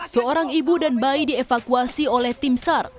seorang ibu dan bayi dievakuasi oleh tim sar